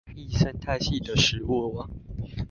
一生態系的食物網